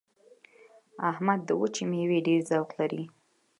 احمد د وچې مېوې ډېر ذوق لري.